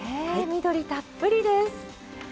緑たっぷりです。